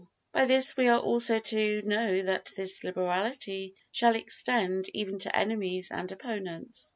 By this we are also to know that this liberality shall extend even to enemies and opponents.